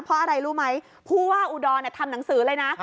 เพราะอะไรรู้ไหมผู้ว่าอุดรทำหนังสือเลยนะ